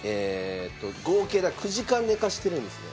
合計が９時間寝かせてるんですね。